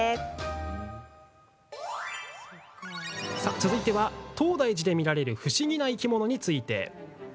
続いては、東大寺で見られる不思議な生き物について。